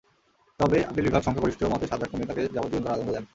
তবে আপিল বিভাগ সংখ্যাগরিষ্ঠ মতে সাজা কমিয়ে তাঁকে যাবজ্জীবন কারাদণ্ড দেন।